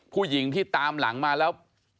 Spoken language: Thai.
ผู้หญิงที่ตามหลังมาแล้ว